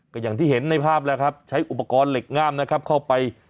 ก็อย่างที่เห็นในภาพนะครับใช้อุปกรณ์เหล็กงามเข้าไป